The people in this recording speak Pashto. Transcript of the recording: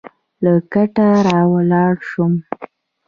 له کټه راولاړ شوم.